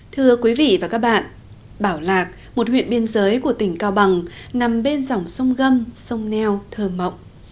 thưa quý vị và các bạn bảo lạc một huyện biên giới của tỉnh cao bằng nằm bên dòng sông gâm sông neo thờ mộng